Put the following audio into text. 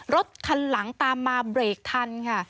รถคันหลังตามมาเบรกทันค่ะ